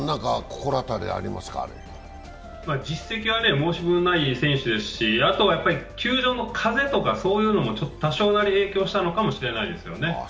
実績は申し分ない選手ですし、あと球場の風とかそういうのも多少なり影響したのかもしれないですよね。